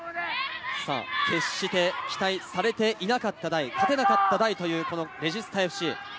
決して期待されていなかった代、勝てなかった代というレジスタＦＣ。